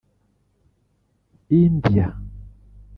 India